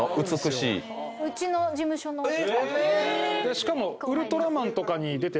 しかも。